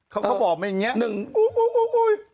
เขาบอกมันอย่างนี้อู๊ย